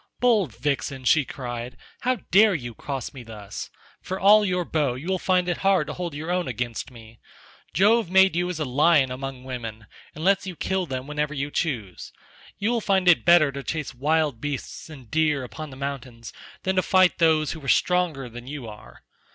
"Bold vixen," she cried, "how dare you cross me thus? For all your bow you will find it hard to hold your own against me. Jove made you as a lion among women, and lets you kill them whenever you choose. You will find it better to chase wild beasts and deer upon the mountains than to fight those who are stronger than you are.